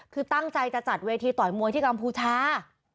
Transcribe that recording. คือตั้งใจจะจัดเวทีต่อยมวยที่กัมพูชา